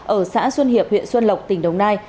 ở xã xuân hiệp huyện xuân lộc tỉnh đồng nai